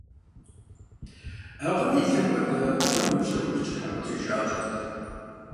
Ӏэ къыдилъэ хуэдэ, кърум и пщэ хужь кӀыхьыр къытришащӀэрт.